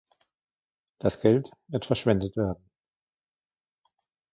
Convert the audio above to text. Das Geld wird verschwendet werden.